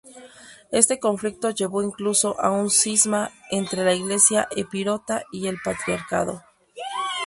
Este conflicto llevó incluso a un cisma entre la Iglesia epirota y el Patriarcado.